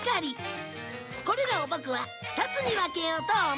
これらをボクは２つに分けようと思う。